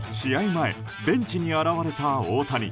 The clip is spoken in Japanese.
前、ベンチに現れた大谷。